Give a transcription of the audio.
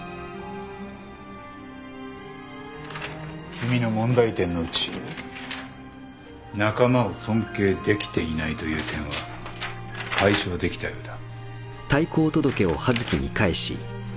君の問題点のうち仲間を尊敬できていないという点は解消できたようだ。